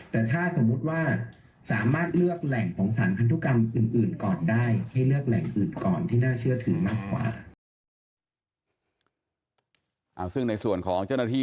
แต่ถ้าสมมติว่าสามารถเลือกแหล่งของสารพันธุกรรมอื่นก่อนได้